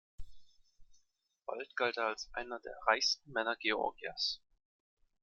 Bald galt er als einer der reichsten Männer Georgias.